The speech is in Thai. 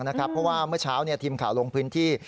เพราะว่าเมื่อเช้าทีมข่าวลงพื้นที่